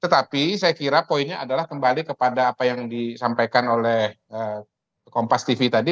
tetapi saya kira poinnya adalah kembali kepada apa yang disampaikan oleh kompas tv tadi